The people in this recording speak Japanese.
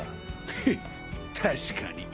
ヘッ確かに。